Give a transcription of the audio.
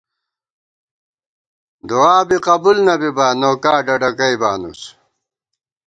دُعابی قبُول نہ بِبا نوکا ڈڈَکئ بانُوس